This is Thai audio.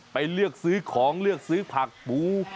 เลือกซื้อของเลือกซื้อผักปู